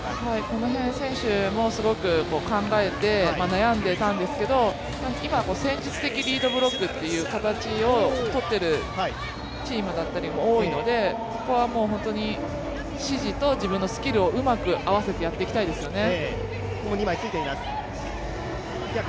この辺、選手もすごく考えて悩んでいたんですけれども、今、戦術的リードブロックという形を取っているチームだったりも多いので、そこはもう指示と自分のスキルをうまく合わせてやっていきたいですよね。